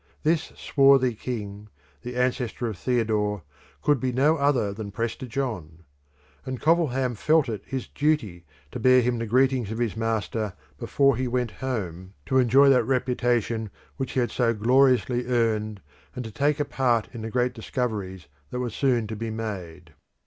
This swarthy king, the ancestor of Theodore, could be no other than Prester John; and Covilham felt it his duty to bear him the greetings of his master before he went home to enjoy that reputation which he had so gloriously earned, and to take a part in the great discoveries that were soon to be made.